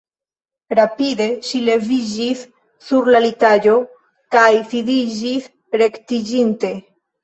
Rapide ŝi leviĝis sur la litaĵo kaj sidiĝis rektiĝinte.